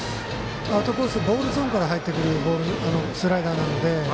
アウトコースボールゾーンから入ってくるスライダーなんで。